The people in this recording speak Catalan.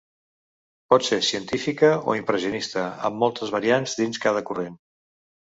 Pot ser científica o impressionista, amb moltes variants dins cada corrent.